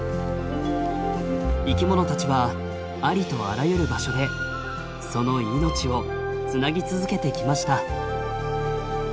生きものたちはありとあらゆる場所でその命をつなぎ続けてきました。